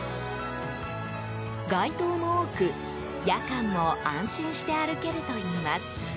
街灯も多く、夜間も安心して歩けるといいます。